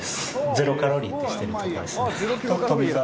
「ゼロカロリー」ってしてるとこですね。